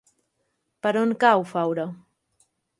Per on cau Faura?